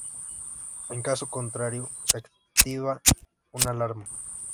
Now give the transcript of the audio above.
En caso contrario se activa una alarma.